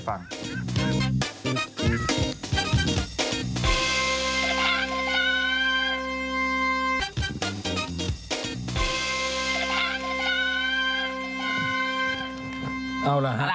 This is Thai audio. ปริกาปริกา